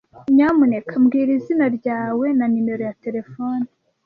Nyamuneka mbwira izina ryawe na numero ya terefone.